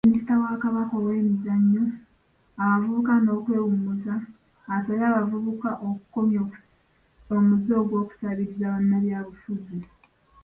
Minisita wa Kabaka ow'emizannyo abavubuka n'okwewummuza, asabye abavubuka okukomya omuze gw'okusabiriza bannabyabufuzi.